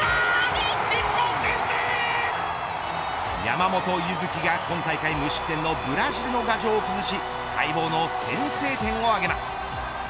山本柚月が今大会無失点のブラジルの牙城を崩し待望の先制点を挙げます。